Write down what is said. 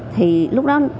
thì lúc đó là